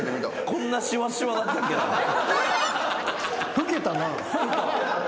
老けたな。